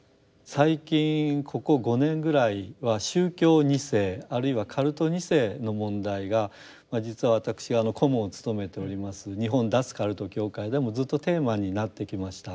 最近ここ５年ぐらいは宗教２世あるいはカルト２世の問題が実は私顧問を務めております日本脱カルト協会でもずっとテーマになってきました。